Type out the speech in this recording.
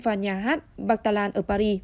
vào nhà hát bactalan ở paris